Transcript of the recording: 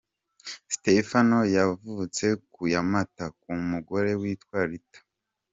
Stephen, yavutse ku ya Mata , ku mugore witwa Rita ;.